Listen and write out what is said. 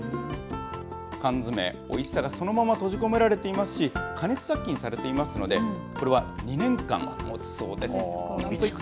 缶詰、おいしさがそのまま閉じ込められていますし、加熱殺菌されていますので、これは２年間もつそうです。